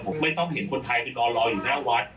ผมไม่ต้องเห็นคนไทยไปรออยู่หน้าวัด